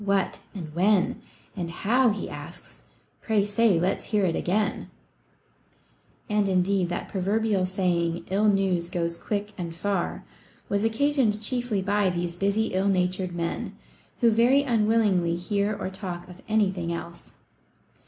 What, and when, And how, he asks ; pray say, let's hear't again ! And indeed, that proverbial saying, " 111 news goes quick and far," was occasioned chiefly by these busy ill natured men, who very unwillingly hear or talk of any tiling else.